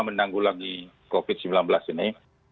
menanggulangi covid sembilan belas ini